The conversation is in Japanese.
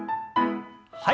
はい。